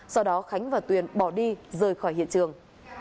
sau đó khánh và tuyền bỏ đi rời khỏi hiện trường